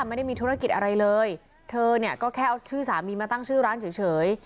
ไม่ได้มีธุรกิจอะไรเลยเธอเนี่ยก็แค่เอาชื่อสามีมาตั้งชื่อร้านเฉย